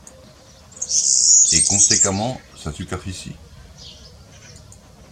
Et conséquemment, sa superficie?..